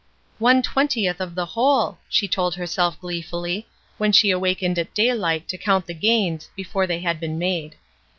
"One twentieth of the whole," she told her self gleefully when she awakened at daylight to count the gains before they had been made.